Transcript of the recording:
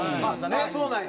ああそうなんや。